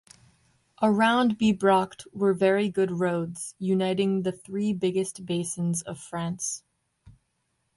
Around Bibracte were very good roads, uniting the three biggest basins of France.